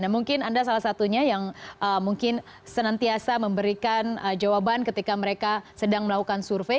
mungkin anda salah satunya yang mungkin senantiasa memberikan jawaban ketika mereka sedang melakukan survei